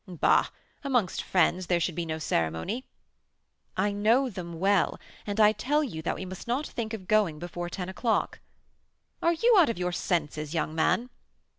"Bah! amongst friends there should be no ceremony." "I know them well, and I tell you that we must not think of going before ten o'clock." "Are you out of your senses, young man?"